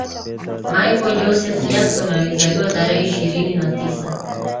Michael Joseph Jackson alizaliwa tarehe ishirini na tisa